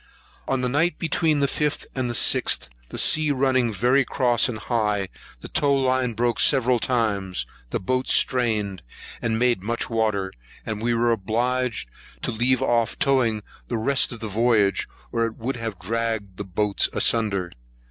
On the night between the 5th and 6th, the sea running very cross and high, the tow line broke several times; the boats strained, and made much water; and we were obliged to leave off towing the rest of the voyage, or it would have dragged the boats asunder.